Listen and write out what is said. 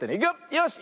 よし。